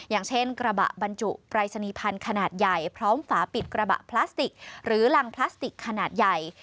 อย่างเช่นกระบะบรรจุปรายศนีพันธุ์ขนาดใหญ่พร้อมฝาปิดกระบะพลาสติกหรือรังพลาสติกขนาดใหญ่